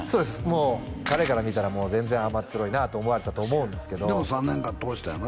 もう彼から見たらもう全然甘っちょろいなと思われてたと思うんですけどでも３年間通したんやろ